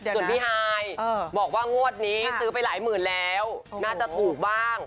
ส่วนพี่ฮายบอกว่างวดนี้ซื้อไปหลายหมื่นแล้วน่าจะถูกบ้าง